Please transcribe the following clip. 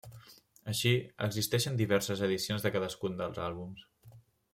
Així, existeixen diverses edicions de cadascun dels àlbums.